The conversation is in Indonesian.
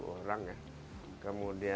tujuh orang ya kemudian